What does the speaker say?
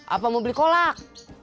apa mau beli kolak